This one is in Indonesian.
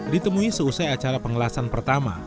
ditemui seusai acara pengelasan pertama